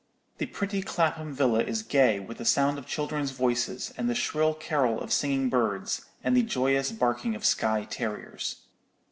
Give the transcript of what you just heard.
The pretty Clapham villa is gay with the sound of children's voices, and the shrill carol of singing birds, and the joyous barking of Skye terriers.